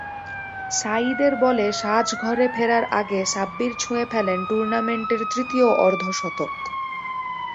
সাঈদের বলে সাজঘরে ফেরার আগে সাব্বির ছুঁয়ে ফেলেন টুর্নামেন্টর তৃতীয় অর্ধশতক।